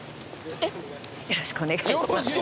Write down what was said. よろしくお願いします